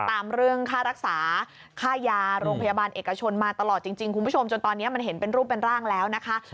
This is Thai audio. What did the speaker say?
ตามเรื่องค่ารักษาค่ายาโรงพยาบาลเอกชนมาตลอดจริงคุณผู้ชมจนตอนนี้มันเห็นเป็นรูปเป็นร่างแล้วนะคะ